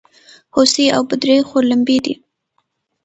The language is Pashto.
هوسۍ او بدرۍ خورلڼي دي.